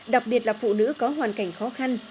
đặc biệt là phụ nữ có hoàn cảnh khó khăn